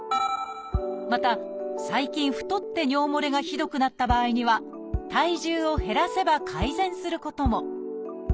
また最近太って尿もれがひどくなった場合には体重を減らせば改善することも。